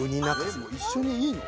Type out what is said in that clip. えっ一緒にいいの？